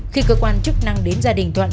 khi cơ quan chức năng đến gia đình thuận